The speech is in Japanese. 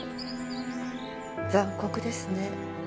残酷ですね。